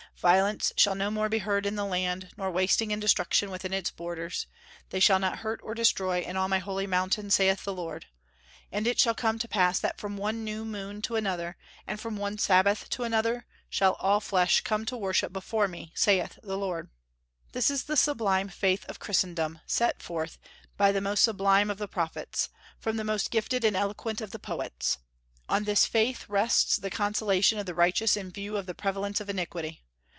Violence shall no more be heard in the land, nor wasting and destruction within its borders.... They shall not hurt or destroy in all my holy mountain, saith the Lord.... And it shall come to pass that from one new moon to another, and from one Sabbath to another, shall all flesh come to worship before me, saith the Lord." This is the sublime faith of Christendom set forth by the most sublime of the prophets, from the most gifted and eloquent of the poets. On this faith rests the consolation of the righteous in view of the prevalence of iniquity.